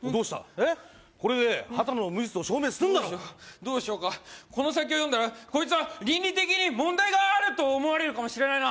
えっこれで羽多野の無実を証明すんだろどうしようかこの先を読んだらこいつは倫理的に問題があると思われるかもしれないな